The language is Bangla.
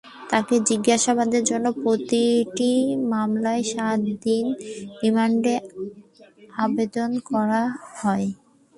তাঁকে জিজ্ঞাসাবাদের জন্য প্রতিটি মামলায় সাত দিন করে রিমান্ডের আবেদন করা হয়।